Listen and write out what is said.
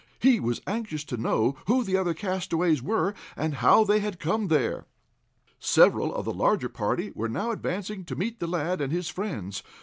He was anxious to know who the other castaways were, and how they had come there. Several of the larger party were now advancing to meet the lad and his friends.